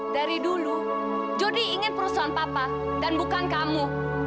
dari dulu jody ingin perusahaan papa dan bukan kamu